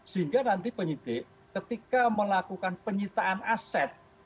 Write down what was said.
sehingga nanti penyidik ketika melakukan penyitaan aset